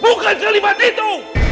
bukan kalimat itu